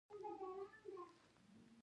آیا د ایران تیاتر ډیر پخوانی نه دی؟